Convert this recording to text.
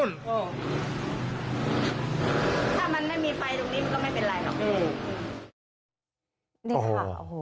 นี่ค่ะโอ้โฮ